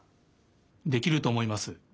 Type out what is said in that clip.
できるとおもいます。